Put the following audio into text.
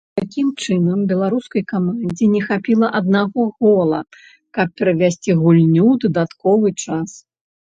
Такім чынам, беларускай камандзе не хапіла аднаго гола, каб перавесці гульню ў дадатковы час.